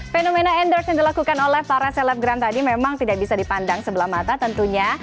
fenomena endorse yang dilakukan oleh para selebgram tadi memang tidak bisa dipandang sebelah mata tentunya